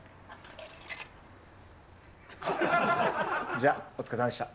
じゃあお疲れさまでした。